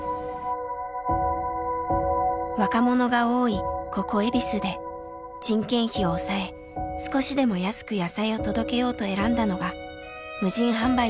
若者が多いここ恵比寿で人件費を抑え少しでも安く野菜を届けようと選んだのが無人販売だったんです。